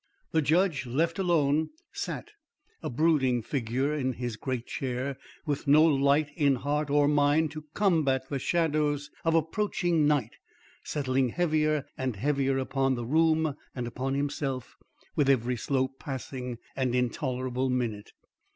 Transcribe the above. The judge left alone, sat, a brooding figure in his great chair, with no light in heart or mind to combat the shadows of approaching night settling heavier and heavier upon the room and upon himself with every slow passing and intolerable minute.